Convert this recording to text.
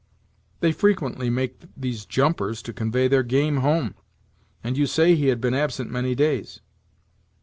"They frequently make these jumpers to convey their game home, and you say he had been absent many days."